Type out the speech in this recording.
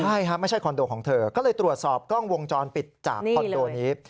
ใช่ไม่ใช่คอนโดของเธอก็เลยตรวจสอบกล้องวงจรปิดจากคอนโดนี้